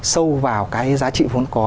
sâu vào cái giá trị vốn có